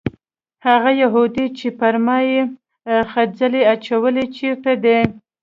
هغه یهودي چې پر ما یې خځلې اچولې چېرته دی؟